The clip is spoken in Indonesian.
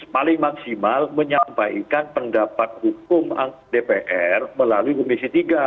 paling maksimal menyampaikan pendapat hukum dpr melalui komisi tiga